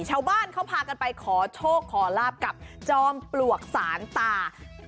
ชาวบ้านเขาพากันไปขอโชคขอลาบกับจอมปลวกสานตา